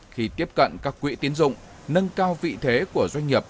khi tiếp cận các quỹ tiến dụng nâng cao vị thế của doanh nghiệp